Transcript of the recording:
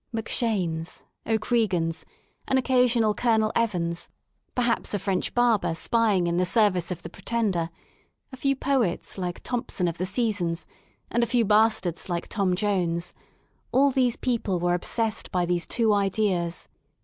Macshanes, O'Creegans, an occasional Colonel Evans, perhaps a French barber spying in the service of the Pretender, a few poets like Thomson of the Seasons" and a few bastards like Tom Jones — all these people were obsessed by these two ideas.